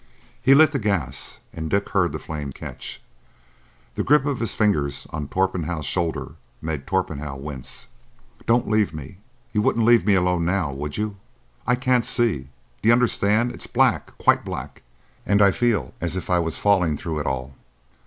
He lit the gas, and Dick heard the flame catch. The grip of his fingers on Torpenhow's shoulder made Torpenhow wince. "Don't leave me. You wouldn't leave me alone now, would you? I can't see. D'you understand? It's black,—quite black,—and I feel as if I was falling through it all."